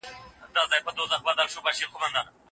خصوصي سکتور په خپلو ګټورو پانګونو سره تجارت پراخ کړ.